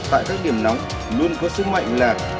tại các điểm nóng luôn có sức mạnh là